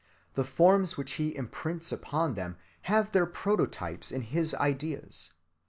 The forms which he imprints upon them have their prototypes in his ideas.